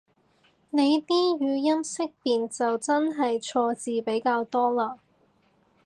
你啲語音辨識就真係錯字比較多嘞